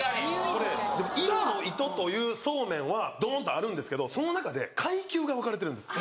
これでも揖保乃糸というそうめんはどんとあるんですけどその中で階級が分かれてるんです。